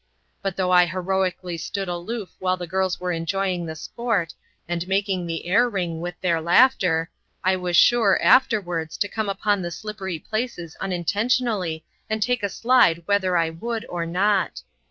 But though I heroically stood aloof while the girls were enjoying the sport, and making the air ring with their laughter, I was sure, afterwards, to come upon the slippery places unintentionally, and take a slide whether I would or not.